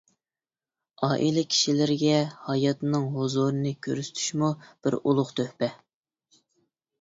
ئائىلە كىشىلىرىگە ھاياتىنىڭ ھۇزۇرىنى كۆرسىتىشمۇ بىر ئۇلۇغ تۆھپە.